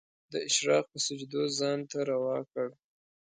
د اشراق په سجدو ځان ته روا کړ